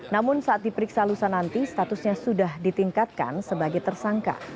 namun saat diperiksa lusa nanti statusnya sudah ditingkatkan sebagai tersangka